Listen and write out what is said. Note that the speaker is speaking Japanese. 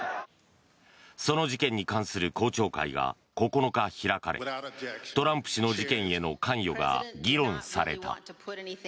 その事件に関する公聴会が９日、開かれトランプ氏の事件への関与が議論された。